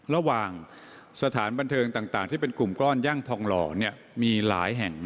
ระหว่างสถานบันเทิงต่างที่เป็นกลุ่มก้อนย่างทองหล่อมีหลายแห่ง